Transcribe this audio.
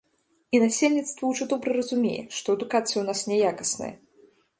І насельніцтва ўжо добра разумее, што адукацыя ў нас няякасная.